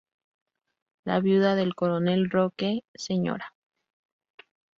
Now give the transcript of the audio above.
La viuda del coronel Rooke, sra.